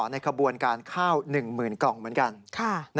ในขบวนการข้าวหนึ่งหมื่นกล่องเหมือนกัน